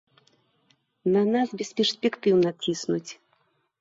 На нас бесперспектыўна ціснуць.